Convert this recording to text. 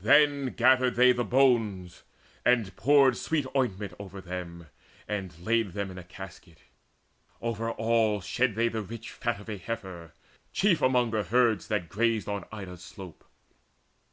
Then gathered they The bones, and poured sweet ointment over them, And laid them in a casket: over all Shed they the rich fat of a heifer, chief Among the herds that grazed on Ida's slope.